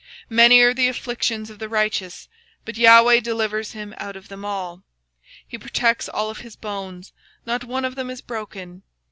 Many are the afflictions of the righteous: But the LORD delivereth him out of them all. He keepeth all his bones: Not one of them is broken.